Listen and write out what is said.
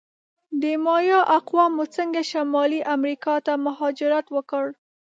د مایا اقوامو څنګه شمالي امریکا ته مهاجرت وکړ؟